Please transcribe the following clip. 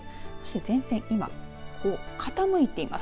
前線が今、傾いています。